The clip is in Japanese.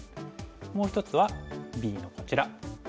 もう１つはＢのこちら。